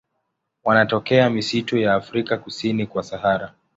Wanatokea misitu ya Afrika kusini kwa Sahara.